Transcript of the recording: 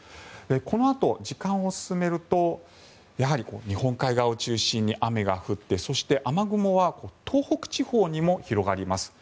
このあと時間を進めるとやはり日本海側を中心に雨が降って、そして雨雲は東北地方にも広がります。